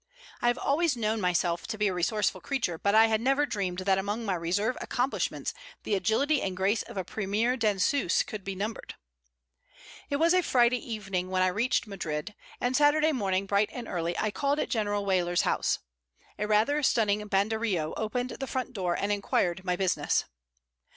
I have always known myself to be a resourceful creature, but I had never dreamed that among my reserve accomplishments the agility and grace of a premiere danseuse could be numbered. [Illustration: "A RATHER STUNNING BANDERILLO OPENED THE DOOR"] It was Friday evening when I reached Madrid, and Saturday morning, bright and early, I called at General Weyler's house. A rather stunning banderillo opened the front door and inquired my business.